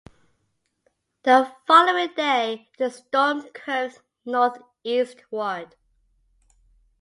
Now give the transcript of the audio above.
The following day, the storm curved northeastward.